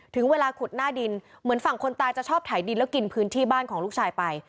ถึงเวลาขุดหน้าดินเหมือนฝั่งคนตายจะชอบถ่ายดินแล้วกินพื้นที่บ้านของลูกชายไป